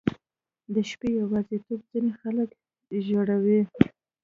• د شپې یواځیتوب ځینې خلک ژړوي.